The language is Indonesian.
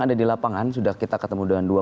ada dilapangan sudah kita ketemu dengan dua